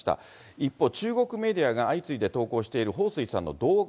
一方、中国メディアが相次いで投稿している彭帥さんの動画。